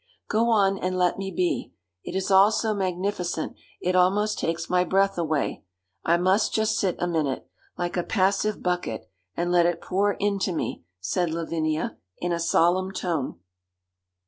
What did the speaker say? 'Go on and let me be. It is all so magnificent it almost takes my breath away. I must just sit a minute, like a passive bucket, and let it pour into me,' said Lavinia, in a solemn tone.